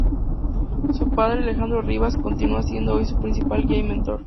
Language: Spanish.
Su padre, Alejandro Rivas, continúa siendo hoy su principal guía y mentor.